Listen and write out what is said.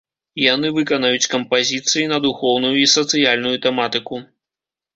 Яны выканаюць кампазіцыі на духоўную і сацыяльную тэматыку.